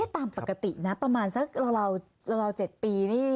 ตามปกตินะประมาณสักราว๗ปีนี่